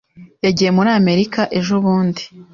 Yagiye muri Amerika ejobundi.